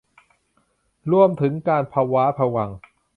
รวมถึงการพะว้าพะวัง